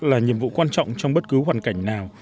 là nhiệm vụ quan trọng trong bất cứ hoàn cảnh nào